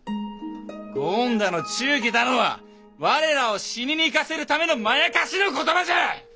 ご恩だの忠義だのは我らを死にに行かせるためのまやかしの言葉じゃ！